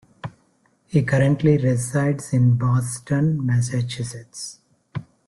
He currently resides in Boston, Massachusetts.